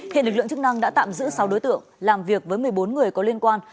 hiện lực lượng chức năng đã tạm giữ sáu đối tượng làm việc với một mươi bốn người có liên quan